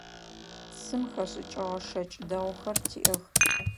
Цым хэшӏыкӏыгъэу шэкӏ дэгъухэр тиӏэх.